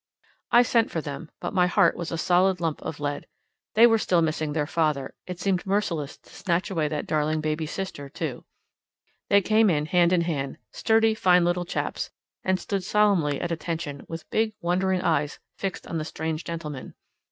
I sent for them, but my heart was a solid lump of lead. They were still missing their father; it seemed merciless to snatch away that darling baby sister, too. They came hand in hand, sturdy, fine little chaps, and stood solemnly at attention, with big, wondering eyes fixed on the strange gentleman.